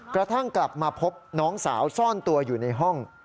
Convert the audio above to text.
กระทั่งกลับมาพบน้องสาวซ่อนตัวอยู่ในห้อง